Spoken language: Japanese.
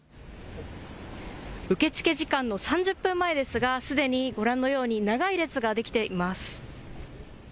受け付け時間の３０分前ですがすでにご覧のように長い列ができています。